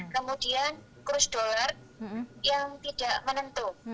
kemudian kursus dolar yang tidak menentu